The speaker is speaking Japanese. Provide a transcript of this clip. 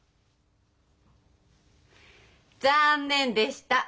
残念でした。